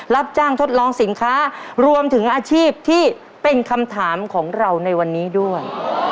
รับจ้างทดลองสินค้ารวมถึงอาชีพที่เป็นคำถามของเราในวันนี้ด้วย